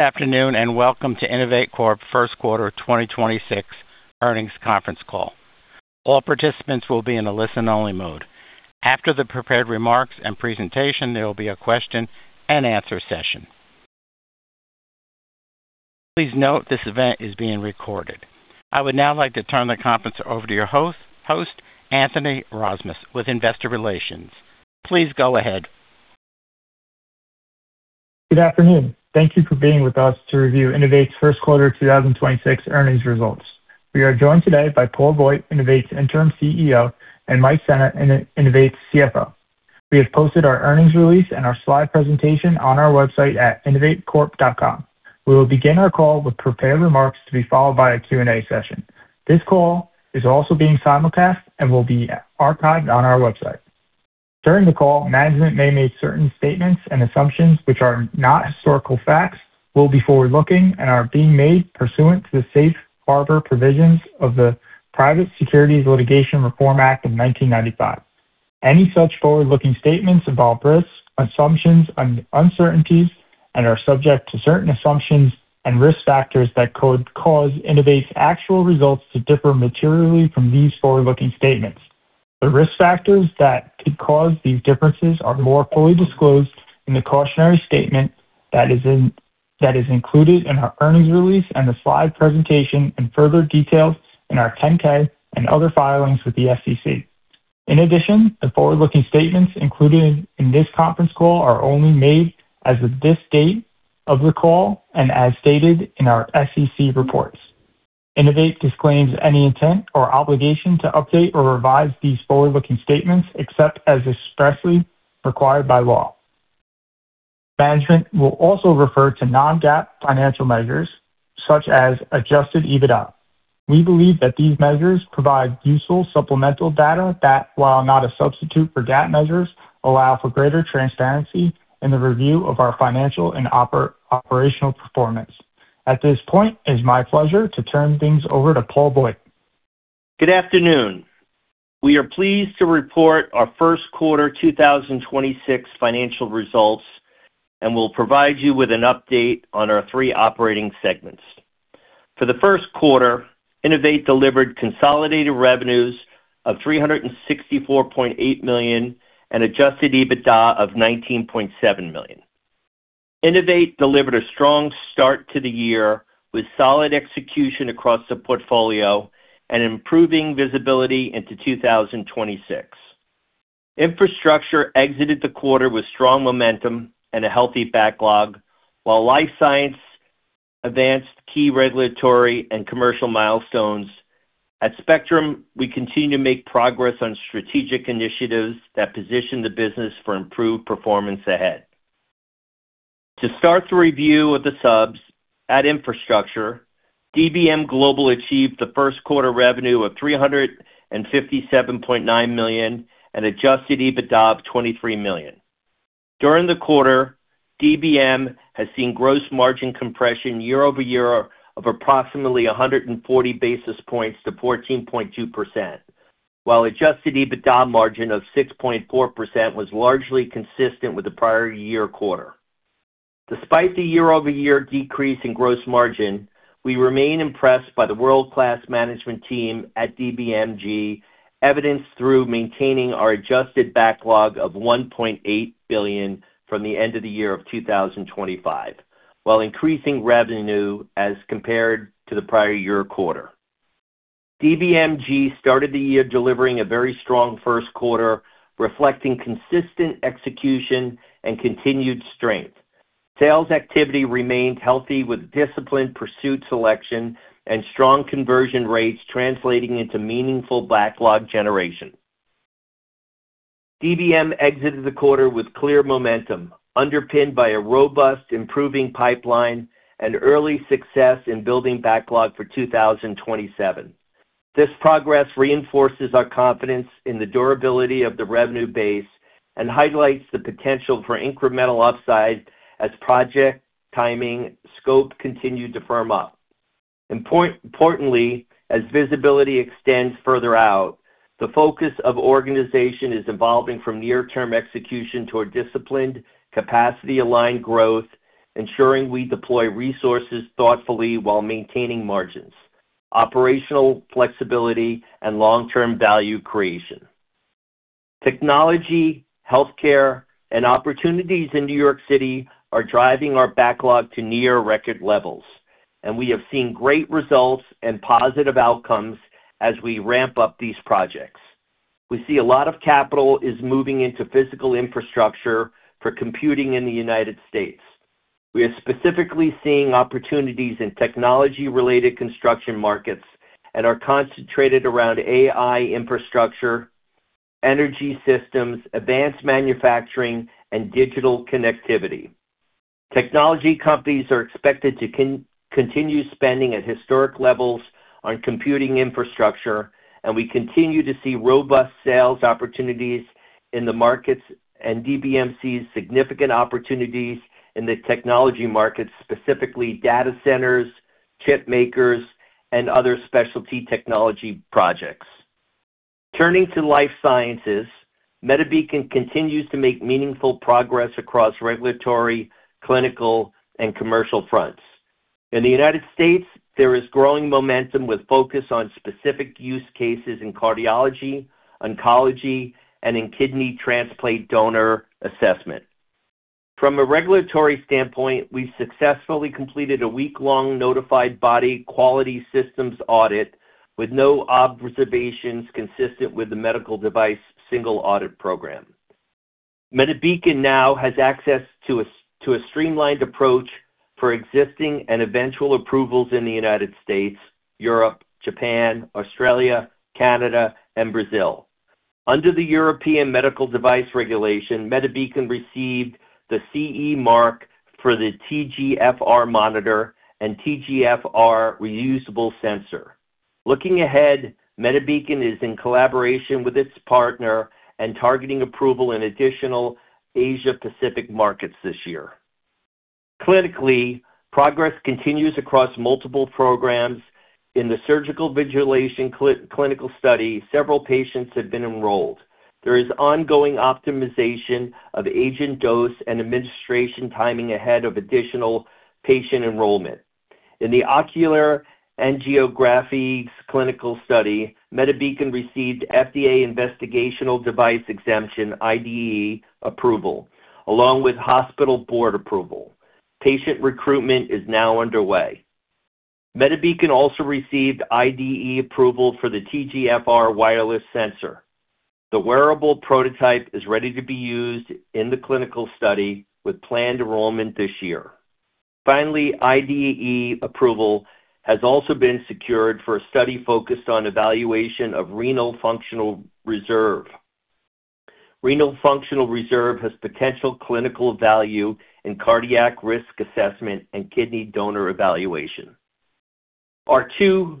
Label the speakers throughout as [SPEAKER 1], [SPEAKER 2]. [SPEAKER 1] Good afternoon, and welcome to INNOVATE Corp. First Quarter 2026 earnings conference call. All participants will be in a listen-only mode. After the prepared remarks and presentation, there will be a question-and-answer session. Please note this event is being recorded. I would now like to turn the conference over to your host, Anthony Rozmus with investor relations. Please go ahead.
[SPEAKER 2] Good afternoon. Thank you for being with us to review INNOVATE's first quarter 2026 earnings results. We are joined today by Paul Voigt, INNOVATE's Interim CEO, and Mike Sena, INNOVATE's CFO. We have posted our earnings release and our slide presentation on our website at innovatecorp.com. We will begin our call with prepared remarks to be followed by a Q&A session. This call is also being simulcast and will be archived on our website. During the call, management may make certain statements and assumptions which are not historical facts, will be forward-looking, and are being made pursuant to the Safe Harbor Provisions of the Private Securities Litigation Reform Act of 1995. Any such forward-looking statements involve risks, assumptions, uncertainties, and are subject to certain assumptions and risk factors that could cause INNOVATE's actual results to differ materially from these forward-looking statements. The risk factors that could cause these differences are more fully disclosed in the cautionary statement that is included in our earnings release and the slide presentation, and further details in our 10-K and other filings with the SEC. In addition, the forward-looking statements included in this conference call are only made as of this date of the call and as stated in our SEC reports. INNOVATE disclaims any intent or obligation to update or revise these forward-looking statements, except as expressly required by law. Management will also refer to non-GAAP financial measures, such as adjusted EBITDA. We believe that these measures provide useful supplemental data that, while not a substitute for GAAP measures, allow for greater transparency in the review of our financial and operational performance. At this point, it's my pleasure to turn things over to Paul Voigt.
[SPEAKER 3] Good afternoon. We are pleased to report our first quarter 2026 financial results. We'll provide you with an update on our three operating segments. For the first quarter, INNOVATE delivered consolidated revenues of $364.8 million and adjusted EBITDA of $19.7 million. INNOVATE delivered a strong start to the year with solid execution across the portfolio and improving visibility into 2026. Infrastructure exited the quarter with strong momentum and a healthy backlog, while Life Sciences advanced key regulatory and commercial milestones. At Spectrum, we continue to make progress on strategic initiatives that position the business for improved performance ahead. To start the review of the subs, at Infrastructure, DBM Global achieved the first quarter revenue of $357.9 million and adjusted EBITDA of $23 million. During the quarter, DBM has seen gross margin compression year-over-year of approximately 140 basis points to 14.2%. While adjusted EBITDA margin of 6.4% was largely consistent with the prior year quarter. Despite the year-over-year decrease in gross margin, we remain impressed by the world-class management team at DBMG, evidenced through maintaining our adjusted backlog of $1.8 billion from the end of 2025, while increasing revenue as compared to the prior year quarter. DBMG started the year delivering a very strong first quarter, reflecting consistent execution and continued strength. Sales activity remained healthy with disciplined pursuit selection and strong conversion rates translating into meaningful backlog generation. DBM exited the quarter with clear momentum, underpinned by a robust improving pipeline and early success in building backlog for 2027. This progress reinforces our confidence in the durability of the revenue base and highlights the potential for incremental upside as project timing scope continued to firm up. Importantly, as visibility extends further out, the focus of organization is evolving from near-term execution toward disciplined capacity-aligned growth, ensuring we deploy resources thoughtfully while maintaining margins, operational flexibility, and long-term value creation. Technology, healthcare, and opportunities in New York City are driving our backlog to near record levels, and we have seen great results and positive outcomes as we ramp up these projects. We see a lot of capital is moving into physical infrastructure for computing in the U.S. We are specifically seeing opportunities in technology-related construction markets and are concentrated around AI infrastructure, energy systems, advanced manufacturing, and digital connectivity. Technology companies are expected to continue spending at historic levels on computing infrastructure, and we continue to see robust sales opportunities in the markets and DBMG's significant opportunities in the technology markets, specifically data centers, chip makers, and other specialty technology projects. Turning to life sciences, MediBeacon continues to make meaningful progress across regulatory, clinical, and commercial fronts. In the U.S., there is growing momentum with focus on specific use cases in cardiology, oncology, and in kidney transplant donor assessment. From a regulatory standpoint, we've successfully completed a week-long notified body quality systems audit with no observations consistent with the Medical Device Single Audit Program. MediBeacon now has access to a streamlined approach for existing and eventual approvals in the U.S., Europe, Japan, Australia, Canada, and Brazil. Under the European Medical Device Regulation, MediBeacon received the CE mark for the TGFR Monitor and TGFR reusable sensor. Looking ahead, MediBeacon is in collaboration with its partner and targeting approval in additional Asia-Pacific markets this year. Clinically, progress continues across multiple programs. In the surgical visualization clinical study, several patients have been enrolled. There is ongoing optimization of agent dose and administration timing ahead of additional patient enrollment. In the ocular angiography clinical study, MediBeacon received FDA Investigational Device Exemption, IDE approval, along with hospital board approval. Patient recruitment is now underway. MediBeacon also received IDE approval for the TGFR wireless sensor. The wearable prototype is ready to be used in the clinical study with planned enrollment this year. Finally, IDE approval has also been secured for a study focused on evaluation of renal functional reserve. Renal functional reserve has potential clinical value in cardiac risk assessment and kidney donor evaluation. R2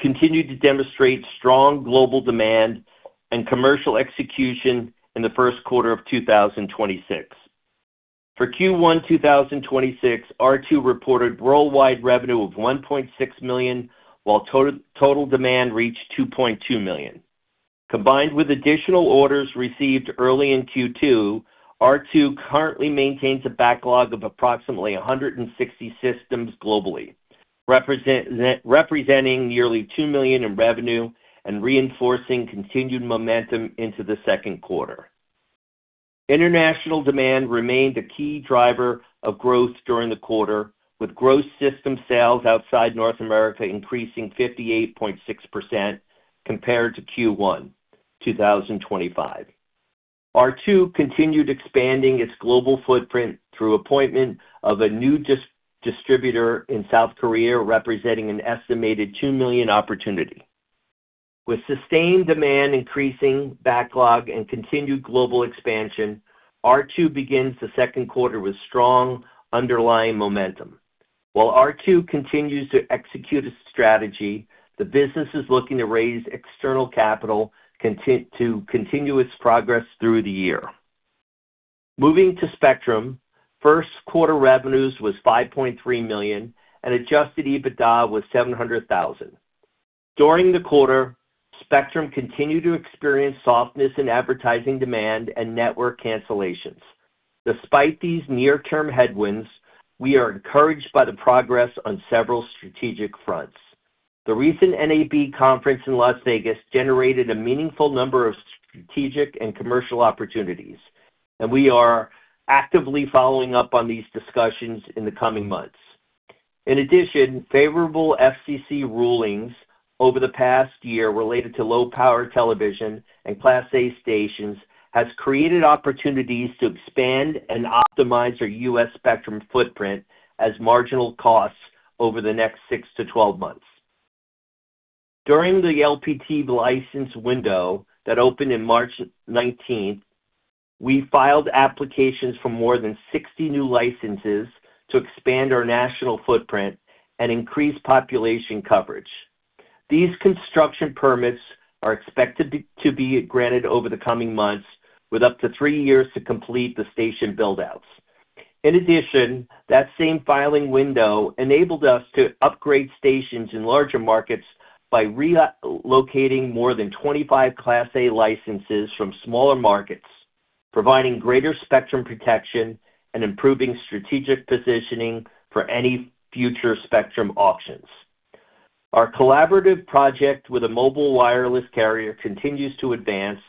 [SPEAKER 3] continued to demonstrate strong global demand and commercial execution in the first quarter of 2026. For Q1 2026, R2 reported worldwide revenue of $1.6 million, while total demand reached $2.2 million. Combined with additional orders received early in Q2, R2 currently maintains a backlog of approximately 160 systems globally, representing nearly $2 million in revenue and reinforcing continued momentum into the second quarter. International demand remained a key driver of growth during the quarter, with gross system sales outside North America increasing 58.6% compared to Q1 2025. R2 continued expanding its global footprint through appointment of a new distributor in South Korea, representing an estimated $2 million opportunity. With sustained demand, increasing backlog, and continued global expansion, R2 begins the second quarter with strong underlying momentum. While R2 continues to execute its strategy, the business is looking to raise external capital to continue its progress through the year. Moving to Spectrum, first quarter revenues was $5.3 million, and adjusted EBITDA was $700,000. During the quarter, Spectrum continued to experience softness in advertising demand and network cancellations. Despite these near-term headwinds, we are encouraged by the progress on several strategic fronts. The recent NAB conference in Las Vegas generated a meaningful number of strategic and commercial opportunities. We are actively following up on these discussions in the coming months. In addition, favorable FCC rulings over the past year related to low-power television and Class A stations has created opportunities to expand and optimize our U.S. Spectrum footprint as marginal costs over the next 6-12 months. During the LPTV license window that opened in March 19th, we filed applications for more than 60 new licenses to expand our national footprint and increase population coverage. These construction permits are expected to be granted over the coming months, with up to three years to complete the station build-outs. In addition, that same filing window enabled us to upgrade stations in larger markets by reallocating more than 25 Class A licenses from smaller markets, providing greater Spectrum protection and improving strategic positioning for any future Spectrum auctions. Our collaborative project with a mobile wireless carrier continues to advance,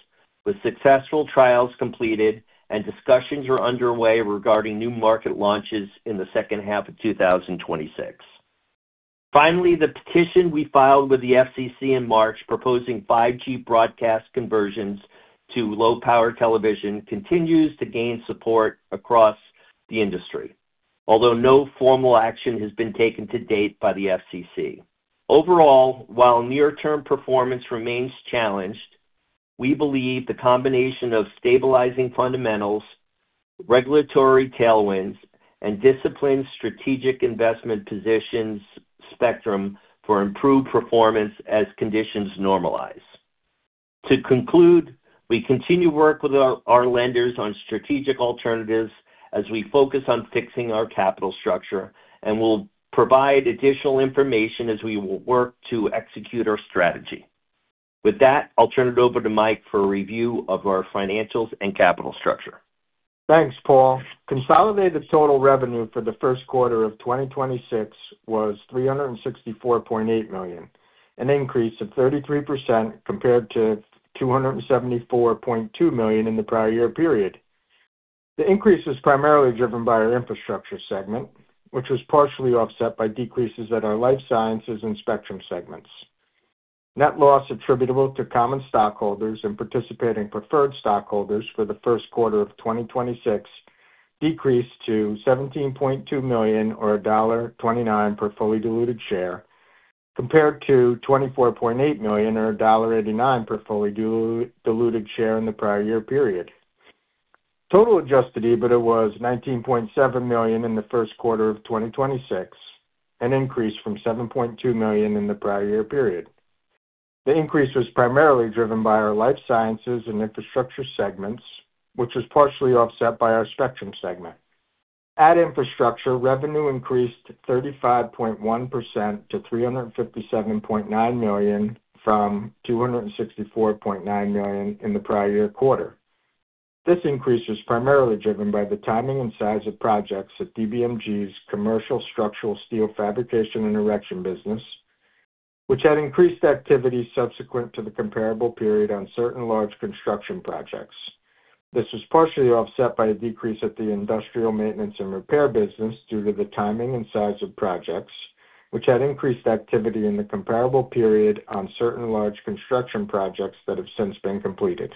[SPEAKER 3] with successful trials completed and discussions are underway regarding new market launches in the second half of 2026. Finally, the petition we filed with the FCC in March proposing 5G Broadcast conversions to low-power television continues to gain support across the industry, although no formal action has been taken to date by the FCC. Overall, while near-term performance remains challenged, we believe the combination of stabilizing fundamentals, regulatory tailwinds, and disciplined strategic investment positions Spectrum for improved performance as conditions normalize. To conclude, we continue to work with our lenders on strategic alternatives as we focus on fixing our capital structure, and we'll provide additional information as we will work to execute our strategy. With that, I'll turn it over to Mike for a review of our financials and capital structure.
[SPEAKER 4] Thanks, Paul. Consolidated total revenue for the first quarter of 2026 was $364.8 million, an increase of 33% compared to $274.2 million in the prior year period. The increase is primarily driven by our infrastructure segment, which was partially offset by decreases at the life sciences and Spectrum segments. Net loss attributable to common stockholders and participating preferred stockholders for the first quarter of 2026 decreased to $17.2 million or $1.29 per fully diluted share, compared to $24.8 million or $1.89 per fully diluted share in the prior year period. Total adjusted EBITDA was $19.7 million in the first quarter of 2026, an increase from $7.2 million in the prior year period. The increase was primarily driven by our life sciences and infrastructure segments, which was partially offset by our spectrum segment. At infrastructure, revenue increased 35.1% to $357.9 million from $264.9 million in the prior year quarter. This increase was primarily driven by the timing and size of projects at DBMG's commercial structural steel fabrication and erection business, which had increased activity subsequent to the comparable period on certain large construction projects. This was partially offset by a decrease at the industrial maintenance and repair business due to the timing and size of projects, which had increased activity in the comparable period on certain large construction projects that have since been completed.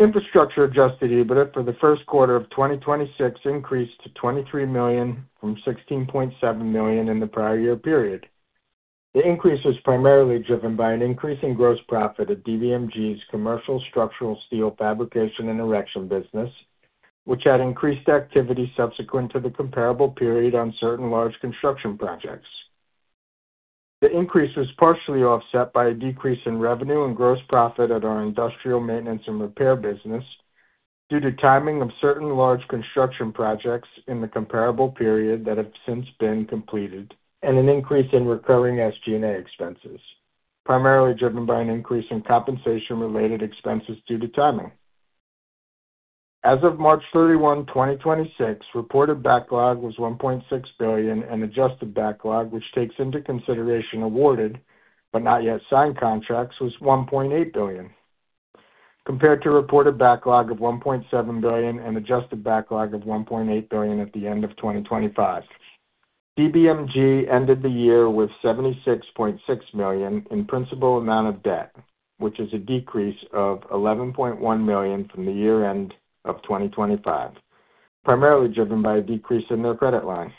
[SPEAKER 4] Infrastructure adjusted EBITDA for the first quarter of 2026 increased to $23 million from $16.7 million in the prior year period. The increase was primarily driven by an increase in gross profit at DBMG's commercial structural steel fabrication and erection business, which had increased activity subsequent to the comparable period on certain large construction projects. The increase was partially offset by a decrease in revenue and gross profit at our industrial maintenance and repair business due to timing of certain large construction projects in the comparable period that have since been completed, and an increase in recurring SG&A expenses, primarily driven by an increase in compensation-related expenses due to timing. As of March 31, 2026, reported backlog was $1.6 billion and adjusted backlog, which takes into consideration awarded but not yet signed contracts, was $1.8 billion, compared to reported backlog of $1.7 billion and adjusted backlog of $1.8 billion at the end of 2025. DBMG ended the year with $76.6 million in principal amount of debt, which is a decrease of $11.1 million from the year-end of 2025, primarily driven by a decrease in their credit line.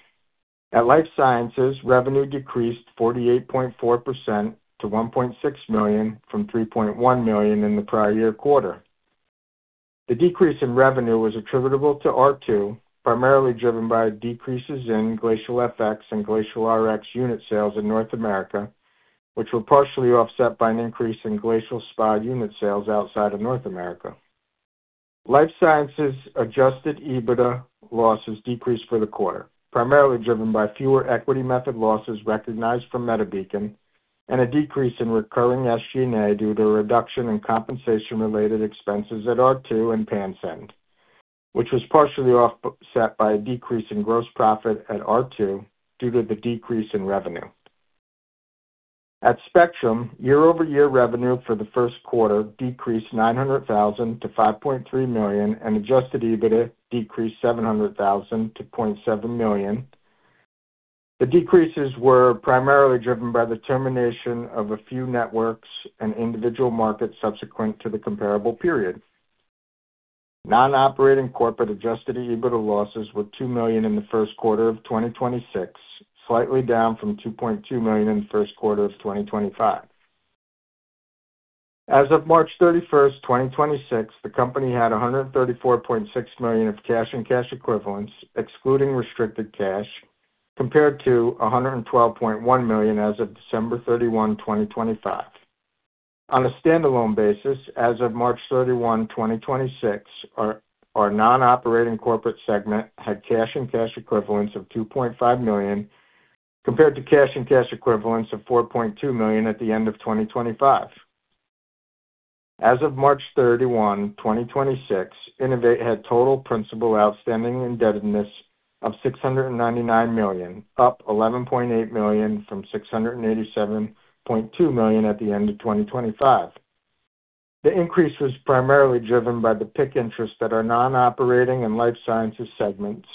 [SPEAKER 4] At Life Sciences, revenue decreased 48.4% to $1.6 million from $3.1 million in the prior year quarter. The decrease in revenue was attributable to R2, primarily driven by decreases in Glacial FX and Glacial Rx unit sales in North America, which were partially offset by an increase in Glacial Spa unit sales outside of North America. Life Sciences adjusted EBITDA losses decreased for the quarter, primarily driven by fewer equity method losses recognized from MediBeacon and a decrease in recurring SG&A due to a reduction in compensation-related expenses at R2 and Pansend, which was partially offset by a decrease in gross profit at R2 due to the decrease in revenue. At Spectrum, year-over-year revenue for the first quarter decreased $900,000 to $5.3 million and adjusted EBITDA decreased $700,000 to $0.7 million. The decreases were primarily driven by the termination of a few networks and individual markets subsequent to the comparable period. Non-operating corporate adjusted EBITDA losses were $2 million in the first quarter of 2026, slightly down from $2.2 million in the first quarter of 2025. As of March 31, 2026, the company had $134.6 million of cash and cash equivalents, excluding restricted cash, compared to $112.1 million as of December 31, 2025. On a standalone basis, as of March 31, 2026, our non-operating corporate segment had cash and cash equivalents of $2.5 million compared to cash and cash equivalents of $4.2 million at the end of 2025. As of March 31, 2026, INNOVATE had total principal outstanding indebtedness of $699 million, up $11.8 million from $687.2 million at the end of 2025. The increase was primarily driven by the PIK interests at our non-operating and life sciences segments,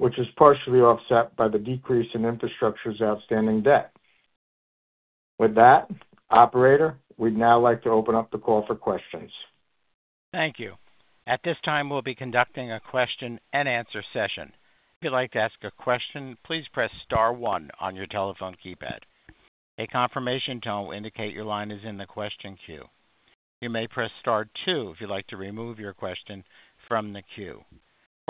[SPEAKER 4] which was partially offset by the decrease in infrastructure's outstanding debt. With that, Operator, we'd now like to open up the call for questions.
[SPEAKER 1] Thank you. At this time, we'll be conducting a question-and-answer session. If you'd like to ask a question, please press star one on your telephone keypad. A confirmation tone will indicate your line is in the question queue. You may press star two if you'd like to remove your question from the queue.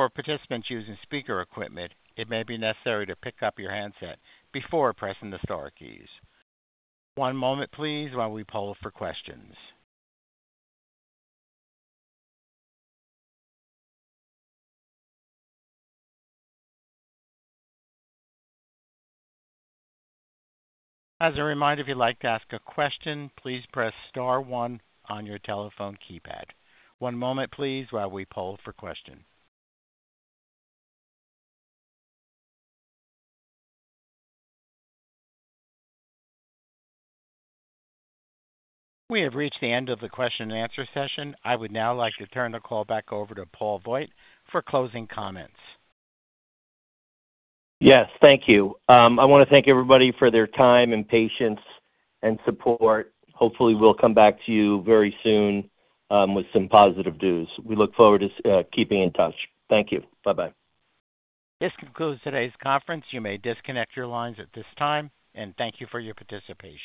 [SPEAKER 1] For participants using speaker equipment, it may be necessary to pick up your handset before pressing the star keys. One moment, please, while we poll for questions. As a reminder, if you'd like to ask a question, please press star one on your telephone keypad. One moment, please, while we poll for question. We have reached the end of the question-and-answer session. I would now like to turn the call back over to Paul Voigt for closing comments.
[SPEAKER 3] Yes, thank you. I wanna thank everybody for their time and patience and support. Hopefully, we'll come back to you very soon with some positive news. We look forward to keeping in touch. Thank you. Bye-bye.
[SPEAKER 1] This concludes today's conference. You may disconnect your lines at this time, and thank you for your participation.